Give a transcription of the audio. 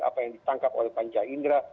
apa yang ditangkap oleh panca indera